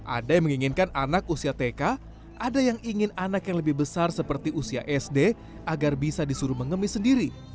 ada yang menginginkan anak usia tk ada yang ingin anak yang lebih besar seperti usia sd agar bisa disuruh mengemis sendiri